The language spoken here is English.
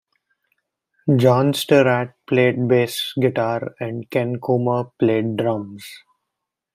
John Stirratt played bass guitar and Ken Coomer played drums.